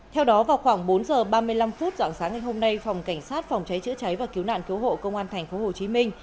theo đó vào khoảng bốn giờ ba mươi năm phút dạng sáng ngày hôm nay phòng cảnh sát phòng cháy chữa cháy và cứu nạn cứu hộ công an tp hcm